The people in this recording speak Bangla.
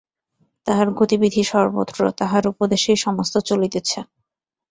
তাহার গতিবিধি সর্বত্র, তাহার উপদেশেই সমস্ত চলিতেছে।